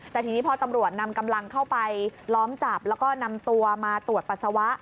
แต่ทีนี้พอตำรวจนำกำลังเข้าไปล้อมจับแล้วก็นำตัวมาตรวจปัสสาวะ